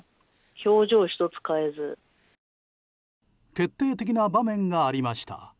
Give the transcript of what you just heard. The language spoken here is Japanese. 決定的な場面がありました。